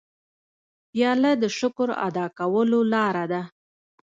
پیاله د شکر ادا کولو لاره ده.